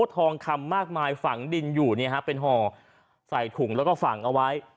ทองคำมากมายฝังดินอยู่เป็นห่อใส่ถุงแล้วก็ฝังเอาไว้